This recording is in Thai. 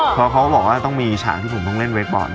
เพราะเขาบอกว่าต้องมีฉากที่ผมต้องเล่นไว้ก่อน